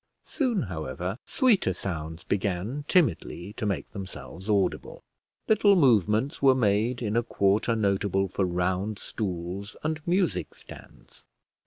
Soon, however, sweeter sounds began timidly to make themselves audible. Little movements were made in a quarter notable for round stools and music stands.